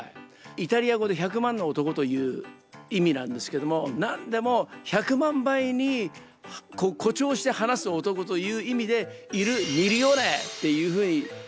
イタリア語で１００万の男という意味なんですけどもなんでも１００万倍に誇張して話す男という意味で「イル・ミリオーネ！！」っていうふうに呼ばれてましたね。